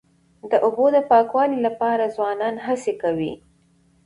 د اوبو د پاکوالي لپاره ځوانان هڅې کوي.